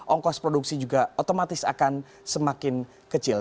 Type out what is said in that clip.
ongkos produksi juga otomatis akan semakin kecil